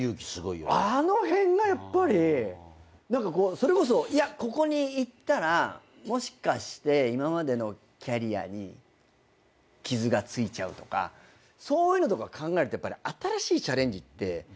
それこそいやここにいったらもしかして今までのキャリアに傷がついちゃうとかそういうのとか考えるとやっぱり新しいチャレンジって。